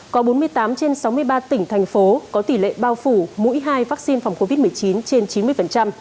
có bốn mươi tám trên sáu mươi ba tỉnh thành phố có tỷ lệ bao phủ mũi hai vaccine phòng covid một mươi chín trên chín mươi